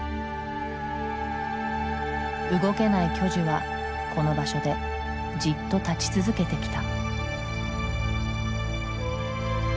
動けない巨樹はこの場所でじっと立ち続けてきた。